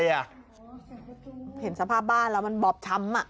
เห็นสภาพบ้านแล้วมันบอบช้ำ